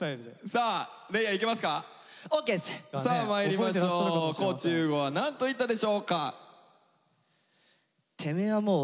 さあまいりましょう地優吾は何と言ったでしょうか？